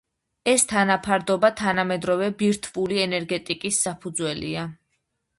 ეს თანაფარდობა თანამედროვე ბირთვული ენერგეტიკის საფუძველია.